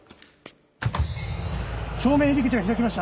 正面入り口が開きました。